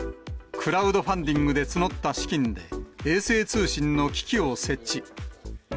クラウドファンディングで募った資金で、衛星通信の機器を設置。